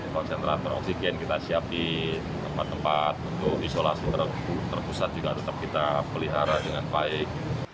konsentrator oksigen kita siap di tempat tempat untuk isolasi terpusat juga tetap kita pelihara dengan baik